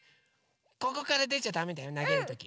ここからでちゃだめだよなげるとき。